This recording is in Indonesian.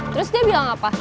terus dia bilang apa